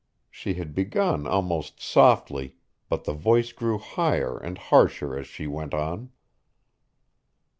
she had begun almost softly, but the voice grew higher and harsher as she went on.